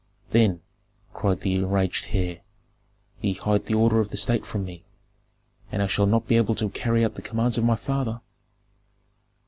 "Then," cried the enraged heir, "ye hide the order of the state from me, and I shall not be able to carry out the commands of my father?"